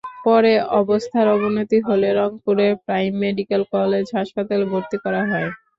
পরে অবস্থার অবনতি হলে রংপুরের প্রাইম মেডিকেল কলেজ হাসপাতালে ভর্তি করা হয়।